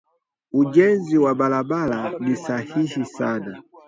Ujenzi wa barabara ni sahihi sana